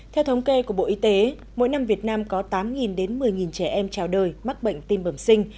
theo thống kê của bộ y tế mỗi năm việt nam có tám đến một mươi trẻ em trào đời mắc bệnh tim bẩm sinh